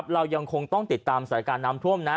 เรายังคงต้องติดตามสถานการณ์น้ำท่วมนะ